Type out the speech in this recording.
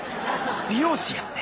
美容師やって。